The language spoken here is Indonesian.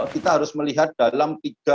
kita harus melihat dalam